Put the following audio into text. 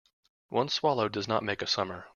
One swallow does not make a summer.